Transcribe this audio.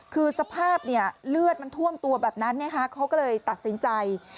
คือสภาพเลือดมันท่วมตัวแบบนั้นเขาก็เลยตัดสินใจ